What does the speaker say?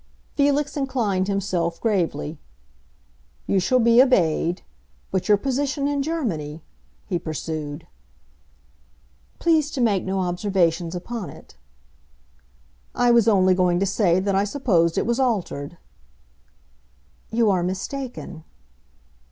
Felix inclined himself gravely. "You shall be obeyed. But your position in Germany?" he pursued. "Please to make no observations upon it." "I was only going to say that I supposed it was altered." "You are mistaken."